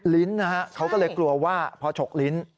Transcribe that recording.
ลิ้นนะฮะเขาก็เลยกลัวว่าพอฉกลิ้น